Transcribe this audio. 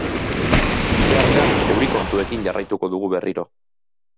Asteartean euri kontuekin jarraituko dugu berriro.